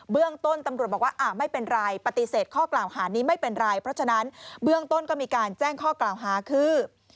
เรื่องต้นตำรวจบอกว่าไม่เป็นไรปฏิเสธข้อกล่าวหานี้ไม่เป็นไรเพราะฉะนั้นเบื้องต้นก็มีการแจ้งข้อกล่าวหาคือ